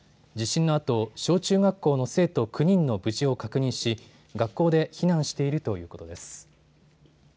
地震のあと小中学校の生徒９人の無事を確認し、学校で避難しているということです。